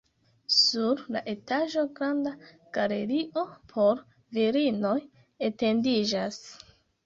Sur la etaĝo granda galerio por virinoj etendiĝas.